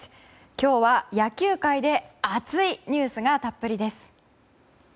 今日は野球界で熱いニュースがたっぷりです。